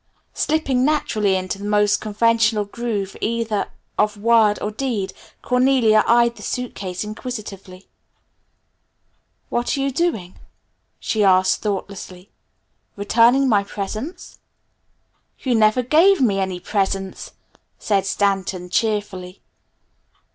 Slipping naturally into the most conventional groove either of word or deed, Cornelia eyed the suitcase inquisitively. "What are you doing?" she asked thoughtlessly. "Returning my presents?" "You never gave me any presents!" said Stanton cheerfully.